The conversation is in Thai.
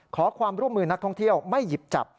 ขอความร่วมมือนักท่องเที่ยวไม่หยิบจับ